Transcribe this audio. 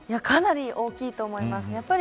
かなり大きいと思います。